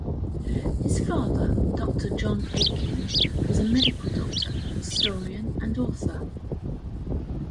His father, Doctor John Aikin, was a medical doctor, historian, and author.